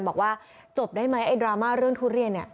บอกว่าจบได้ไหมไอ้ดราม่าเรื่องทุเรียนเนี่ย